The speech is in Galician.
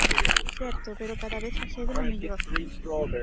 Certo, pero cada vez facédelo mellor.